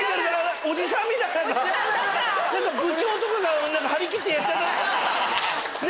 部長とかが張り切ってやっちゃった。